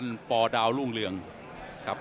นักมวยจอมคำหวังเว่เลยนะครับ